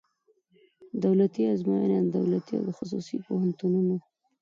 دولتي آزموینه د دولتي او خصوصي پوهنتونونو